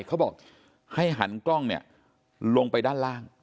เขาบอกให้หันกล้องเนี่ยลงไปด้านล่าง